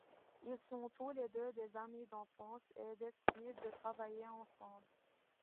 Ils sont tous les deux des amis d'enfance et décident de travailler ensemble.